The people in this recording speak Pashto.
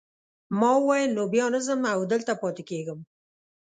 ما وویل نو بیا نه ځم او دلته پاتې کیږم.